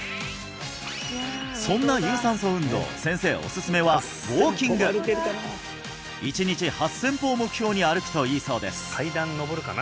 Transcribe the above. そんな有酸素運動先生おすすめはウォーキング１日８０００歩を目標に歩くといいそうです